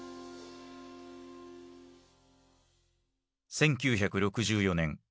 １９６４年。